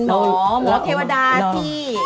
เป็นหมอเทวดาชิ